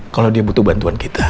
kalau dia butuh bantuan kita